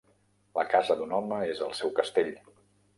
La casa d'un home és el seu castell.